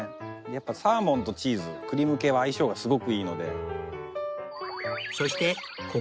やっぱサーモンとチーズクリーム系は相性がすごくいいので。